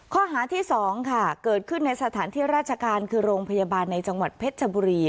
ข้อหาที่๒ค่ะเกิดขึ้นในสถานที่ราชการคือโรงพยาบาลในจังหวัดเพชรชบุรี